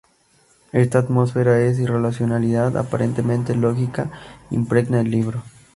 Esta atmósfera de irracionalidad aparentemente lógica impregna el libro.